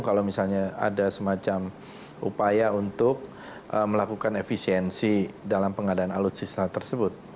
kalau misalnya ada semacam upaya untuk melakukan efisiensi dalam pengadaan alutsista tersebut